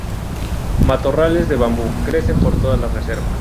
Matorrales de bambú crecen por toda la reserva.